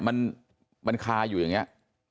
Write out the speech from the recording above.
มันคาอยู่อย่างนี้